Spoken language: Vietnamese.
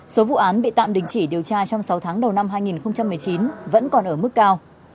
số vụ án bị tạm đình chỉ điều tra trong sáu tháng đầu năm hai nghìn một mươi chín vẫn còn ở mức cao